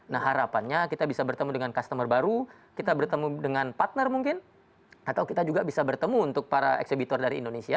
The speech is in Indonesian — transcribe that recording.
nah harapannya kita bisa bertemu dengan customer baru kita bertemu dengan partner mungkin atau kita juga bisa bertemu untuk para eksebitor dari indonesia